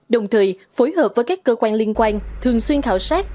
đồng thời phối hợp với các cơ quan liên quan thường xuyên khảo sát